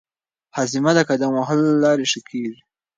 هاضمه د قدم وهلو له لارې ښه کېږي.